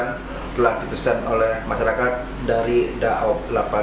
hingga saat ini sudah ada dua ratus tiga puluh dua ribu lebih tiket untuk keberangkatan di masa angkutan lebaran